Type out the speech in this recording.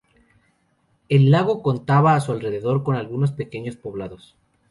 El lago contaba a su alrededor con algunos pequeños poblados.